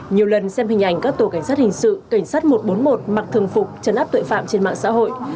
nhiều lần xem hình ảnh các tổ cảnh sát hình sự cảnh sát một trăm bốn mươi một mặc thường phục trấn áp tội phạm trên mạng xã hội